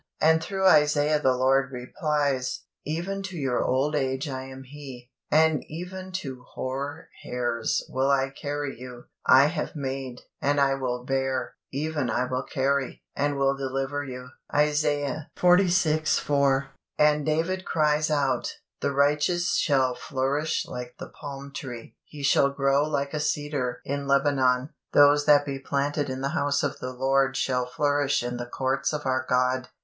And through Isaiah the Lord replies: "Even to your old age I am He; and even to hoar hairs will I carry you: I have made, and I will bear; even I will carry, and will deliver you" (Isaiah xlvi. 4). And David cries out, "The righteous shall flourish like the palm tree: he shall grow like a cedar in Lebanon. Those that be planted in the house of the Lord shall flourish in the courts of our God.